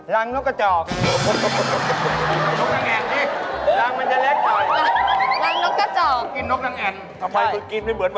งนกกระจอก